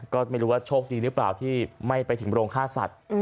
ก็ไม่รู้ว่าโชคดีหรือเปล่าที่ไม่ไปถึงโรงฆ่าสัตว์